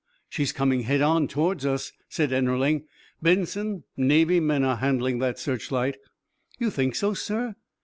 "She's coming head on toward us," said Ennerling. "Benson, Navy men are handling that searchlight." "You think so, sir?"